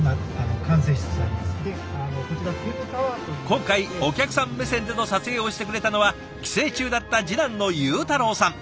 今回お客さん目線での撮影をしてくれたのは帰省中だった次男の裕太郎さん。